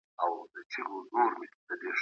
بڼوال اوبه لګوي.